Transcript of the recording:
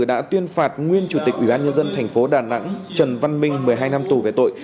đã tuyên phạt nguyên chủ tịch ubnd tp đà nẵng trần văn minh một mươi hai năm tù về tội